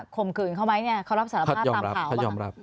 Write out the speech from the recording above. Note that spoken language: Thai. ข่มขื่นเขาก็มั้ยเขารับสารภาพเรียบร้อย